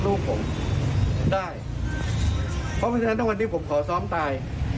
เพราะเพราะฉะนั้นตั้งวันนี้ผมขอซ้อมตาย